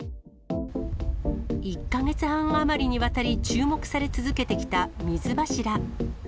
１か月半余りにわたり、注目され続けてきた水柱。